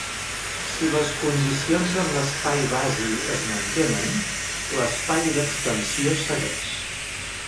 Si les condicions en l'espai basi es mantenen, l'espai d'expansió segueix.